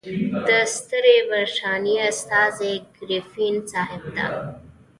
د ستري برټانیې استازي ګریفین صاحب ته.